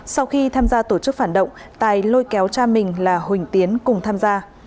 sau khi tham gia tổ chức phản động tài lôi kéo cha mình là huỳnh tiến cùng tham gia